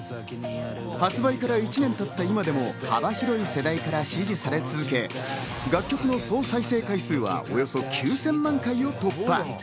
発売から１年たった今でも幅広い世代から支持され続け、楽曲の総再生回数はおよそ９０００万回を突破。